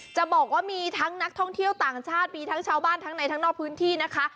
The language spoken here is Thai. จะบอกว่ามีทั้งนักท่องเที่ยวต่างชาติมีทั้งชาวบ้านทั้งในทั้งนอกพื้นที่นะคะ